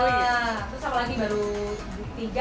terus apa lagi baru tiga ya